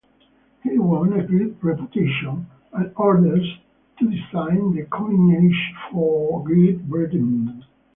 He won a great reputation and orders to design the coinage for Great Britain.